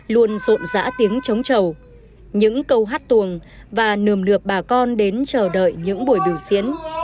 luôn rộn rã tiếng trống trầu những câu hát tuồng và nườm nượp bà con đến chờ đợi những buổi biểu diễn